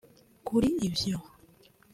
Kuri ivyo